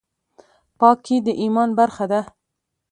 پاکي د ایمان برخه ده